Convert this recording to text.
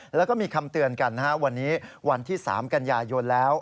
แล้วก็มีคำเตือนกันวันนี้วันที่๓กันยายนแล้ว